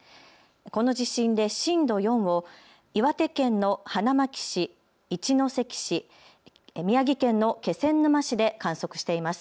この地震で震度４を岩手県の花巻市、一関市、宮城県の気仙沼市で観測しています。